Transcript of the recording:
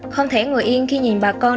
không thể ngồi yên khi nhìn bà con